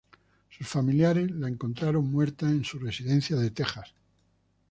Sus familiares la encontraron muerta en su residencia de Texas.